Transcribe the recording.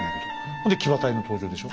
ほんで騎馬隊の登場でしょ。